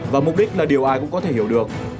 và mục đích là điều ai cũng có thể hiểu được